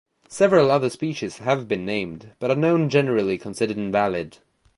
Several other species have been named but are know generally considered invalid.